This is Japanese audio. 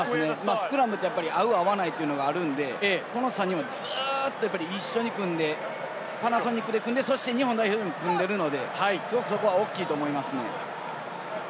スクラムって合う合わないってあるんで、この３人はずっと一緒に組んで、パナソニックで組んで日本代表でも組んでいるので、すごくそこは大きいと思いますね。